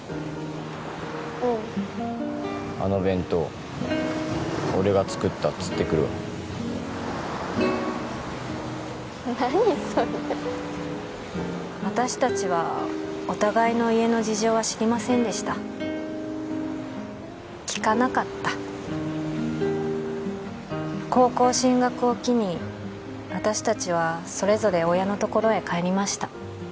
うんあの弁当俺が作ったっつってくるわ何それ私達はお互いの家の事情は知りませんでした聞かなかった高校進学を機に私達はそれぞれ親のところへ帰りました